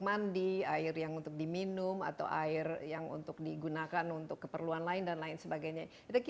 mandi air yang untuk diminum atau air yang untuk digunakan untuk keperluan lain dan lain sebagainya